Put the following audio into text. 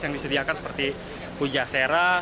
yang disediakan seperti puja sera